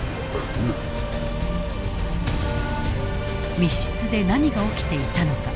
密室で何が起きていたのか。